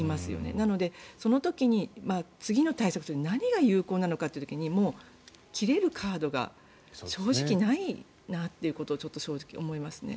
なので、その時に次の対策って何が有効なのかといった時に切れるカードが正直、ないなということを思いますね。